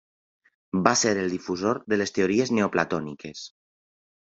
Va ser el difusor de les teories neoplatòniques.